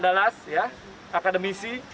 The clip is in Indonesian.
ada dari kelas akademisi